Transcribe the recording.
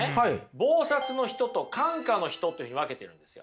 忙殺の人と閑暇の人というふうに分けてるんですよ。